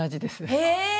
へえ！